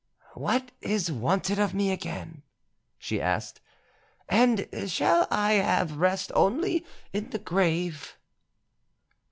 "What is wanted of me again?" she asked, "and shall I have rest only in the grave?"